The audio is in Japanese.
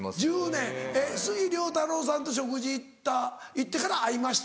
１０年えっ杉良太郎さんと食事行ってから会いました？